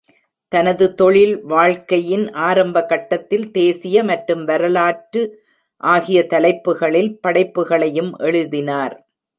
தனது தொழில் வாழ்க்கையின் ஆரம்ப கட்டத்தில், தேசிய மற்றும் வரலாற்று ஆகிய தலைப்புகளில் படைப்புகளையும் எழுதினார்.